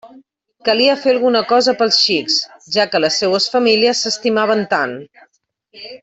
Calia fer alguna cosa pels xics, ja que les seues famílies s'estimaven tant.